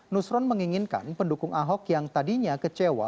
nusron menginginkan pendukung ahok yang tadinya kecewa